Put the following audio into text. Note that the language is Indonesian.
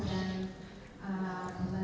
teman teman nanti saya